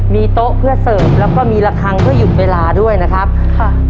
มีโต๊ะเพื่อเสิร์ฟแล้วก็มีระคังเพื่อหยุดเวลาด้วยนะครับค่ะ